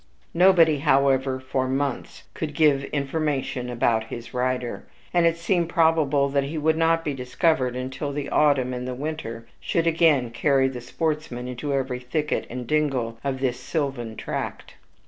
Nobody, however, for months could give information about his rider; and it seemed probable that he would not be discovered until the autumn and the winter should again carry the sportsman into every thicket and dingle of this sylvan tract.